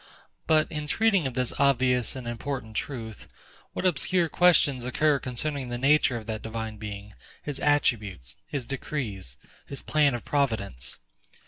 But, in treating of this obvious and important truth, what obscure questions occur concerning the nature of that Divine Being, his attributes, his decrees, his plan of providence?